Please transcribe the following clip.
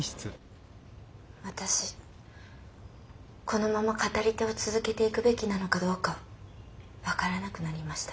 私このまま語り手を続けていくべきなのかどうか分からなくなりました。